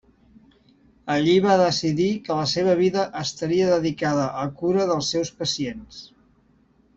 Allí va decidir que la seva vida estaria dedicada a cura dels seus pacients.